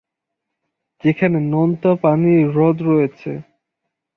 যেখানে নোনতা পানির হ্রদ রয়েছে।